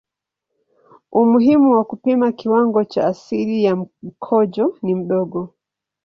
Umuhimu wa kupima kiwango cha asidi ya mkojo ni mdogo.